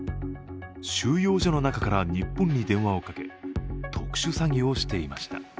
収容所の中から日本に電話をかけ特殊詐欺をしていました。